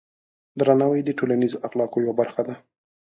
درناوی د ټولنیز اخلاقو یوه برخه ده.